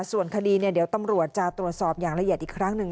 ส่วนคดีเดี๋ยวตำรวจจะตรวจสอบอย่างละเอียดอีกครั้งหนึ่ง